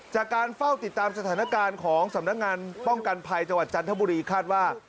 จากการเฝ้าติดตามสถานการณ์ของสำนักงานป้องกันภัยจังหวัดจันทบุรีคาดว่า